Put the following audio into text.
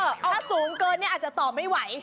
ถ้าสูงเกินอาจจะตอบไม่ไหว